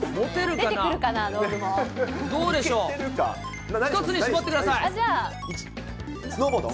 どうでしょう。